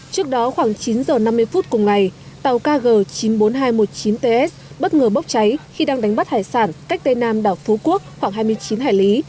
trước đó khoảng chín h năm mươi phút cùng ngày tàu kg chín mươi bốn nghìn hai trăm một mươi chín ts bất ngờ bốc cháy khi đang đánh bắt hải sản cách tây nam đảo phú quốc khoảng hai mươi chín hải lý